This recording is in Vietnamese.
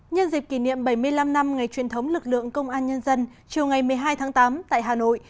nhân dịp kỷ niệm bảy mươi năm năm ngày truyền thống lực lượng công an nhân dân chiều ngày một mươi hai tháng tám tại hà nội